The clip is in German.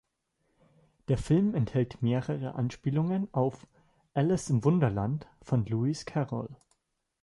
Der Film enthält mehrere Anspielungen auf „Alice im Wunderland“ von Lewis Carroll.